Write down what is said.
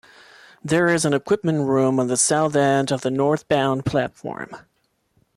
There is an equipment room on the south end of the northbound platform.